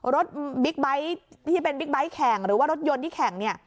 บิ๊กไบท์ที่เป็นบิ๊กไบท์แข่งหรือว่ารถยนต์ที่แข่งเนี่ย